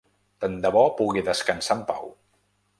Tan de bo pugui descansar en pau.